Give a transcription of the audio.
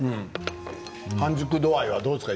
半熟度合いはどうですか？